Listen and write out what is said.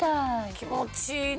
気持ちいいなぁ。